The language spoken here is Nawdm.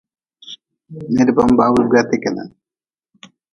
Nida ban bohaa wuii gweete kenan.